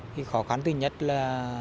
cái khó khăn thứ nhất là